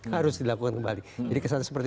harus dilakukan kembali jadi kesan seperti